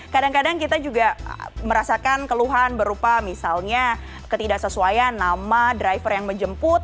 kadang kadang kita juga merasakan keluhan berupa misalnya ketidaksesuaian nama driver yang menjemput